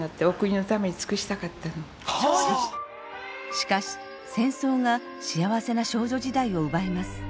しかし戦争が幸せな少女時代を奪います。